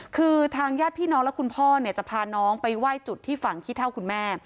คือทางญาติพี่น้องและคุณพ่อเนี่ยจะพาน้องไปไหว้จุดที่ฝั่งขี้เท่าคุณแม่